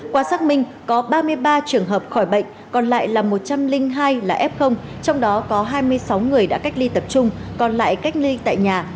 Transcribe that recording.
qua xác minh có ba mươi ba trường hợp khỏi bệnh còn lại là một trăm linh hai là f trong đó có hai mươi sáu người đã cách ly tập trung còn lại cách ly tại nhà